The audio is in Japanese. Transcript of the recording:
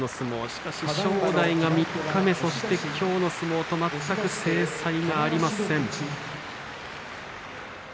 しかし正代は三日目そして今日の相撲と全く精彩がありません。